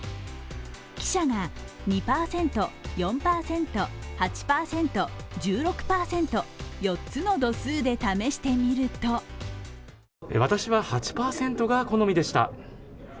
記者が２％、４％、８％、１６％、４つの度数で試してみると私は８％が好みでした。